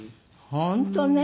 本当ね。